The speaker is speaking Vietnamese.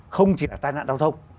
không chỉ là tai nạn đau thông